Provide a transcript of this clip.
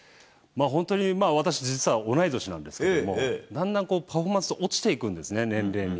本当に、私実はおない年なんですけど、だんだんパフォーマンス落ちていくんですね、年齢に。